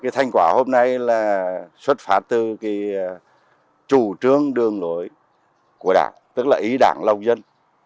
thành quả hôm nay là xuất phát từ chủ trướng đường lội của đảng tức là ý đảng lâu dân